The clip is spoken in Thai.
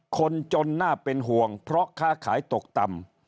คนจนน่าเป็นห่วงเพราะค้าขายตกต่ำ